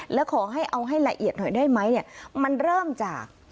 แล้วขอให้เอาให้ละเอียดหน่อยได้ไหมเนี่ยมันเริ่มจาก